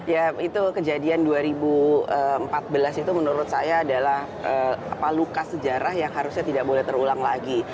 ya itu kejadian dua ribu empat belas itu menurut saya adalah luka sejarah yang harusnya tidak boleh terulang lagi